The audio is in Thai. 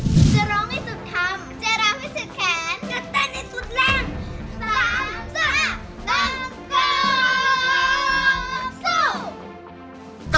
จะร้องให้สุดทำจะรับให้สุดแขนจะเต้นให้สุดร่าง๓ซ่าบางกอกสู้